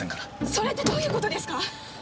それってどういう事ですか！？